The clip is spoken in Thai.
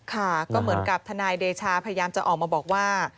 ค่ะก็เหมือนกับทนายเดชาพยายามจะออกมาบอกว่า